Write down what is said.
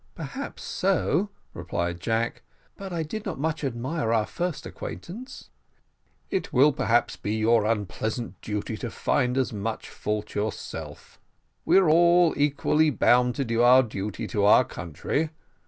"Perhaps so," replied Jack: "but I did not much admire our first acquaintance." "It will perhaps be your unpleasant duty to find as much fault yourself; we are all equally bound to do our duty to our country.